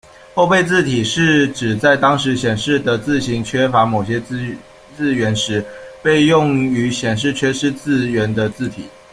后备字体是指在当时显示的字型缺乏某些字元时，被用于显示缺失字元的字体。